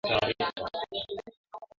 Majimaji kutoka kwenye macho na pua